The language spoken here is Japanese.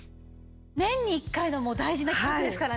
年に一回の大事な企画ですからね。